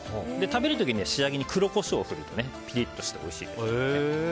食べる時に仕上げに黒コショウを振るとピリッとしておいしいです。